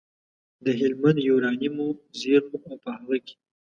د هلمند یورانیمو زېرمو او په هغه کې